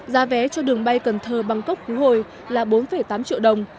giá vé cho đường bay cần thơ bangkok phú hồi là bốn tám triệu đồng